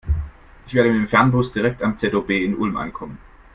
Ich werde mit dem Fernbus direkt am ZOB in Ulm ankommen.